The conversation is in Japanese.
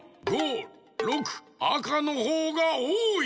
あかのほうがおおい。